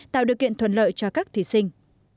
tạo được kiện thuận lợi cho các thí sinh